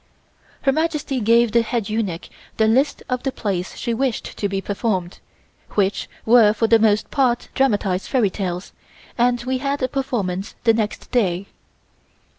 Her Majesty gave the head eunuch the list of the plays she wished to be performed, which were for the most part dramatised fairy tales, and we had a performance the next day.